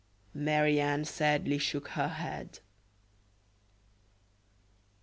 Marie Anne sadly shook her head.